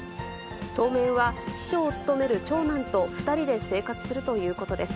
当面は秘書を務める長男と、２人で生活するということです。